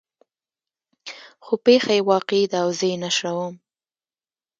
خو پېښه يې واقعي ده او زه یې نشروم.